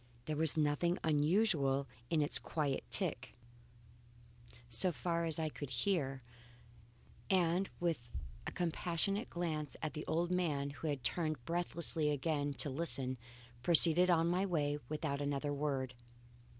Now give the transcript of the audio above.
There was nothing unusual in its quiet tick, so far as I could hear, and with a compassionate glance at the old man who had turned breathlessly again to listen, proceeded on my way without another word.